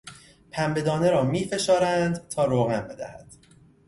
پنبه دانه را میفشارند تا روغن بدهد.